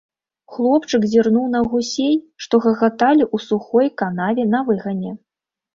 Хлопчык зірнуў на гусей, што гагаталі ў сухой канаве на выгане.